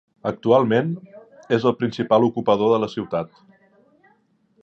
Actualment, és el principal ocupador de la ciutat.